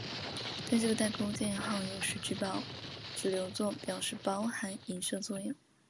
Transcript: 但这个带钩箭号有时只留作表示包含映射时用。